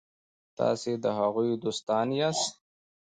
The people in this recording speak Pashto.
تاسي د هغوی دوستان یاست.